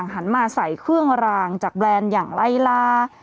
หันมาใส่เครื่องรางจากแบรนด์อย่างไล่ลา